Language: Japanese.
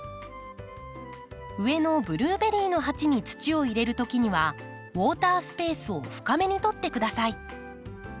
上のブルーベリーの鉢に土を入れるときにはウォータースペースを深めに取ってください。